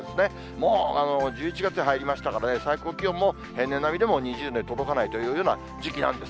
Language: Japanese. もう１１月に入りましたからね、最高気温も平年並みでも２０度に届かないというような時期なんです。